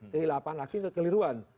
kehilapan laki kekeliruan